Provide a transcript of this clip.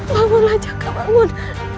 bangunlah jaka bangun